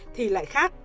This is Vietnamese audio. thì lại khác